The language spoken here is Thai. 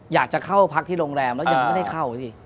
อยากจะเข้าพักที่โรงแรมแล้วยังไม่ได้เข้าสิ